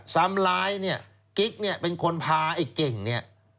ซ้ำร้ายเนี่ยกิ๊กเนี่ยเป็นคนพาไอ้เก่งเนี่ย